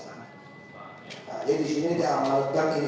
nah jadi disini diamalkan ini